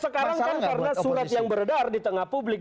karena surat yang berdar di tengah publik